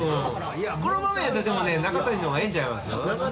このままやったらでもね中谷の方がええんちゃいます？